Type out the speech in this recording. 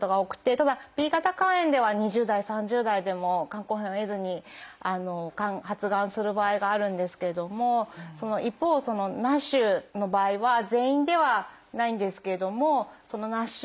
ただＢ型肝炎では２０代３０代でも肝硬変を経ずにがん発がんする場合があるんですけれども一方ＮＡＳＨの場合は全員ではないんですけれどもそのＮＡＳＨ